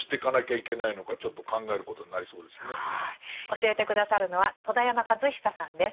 教えて下さるのは戸田山和久さんです。